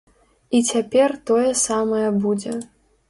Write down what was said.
І цяпер тое самае будзе.